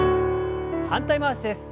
反対回しです。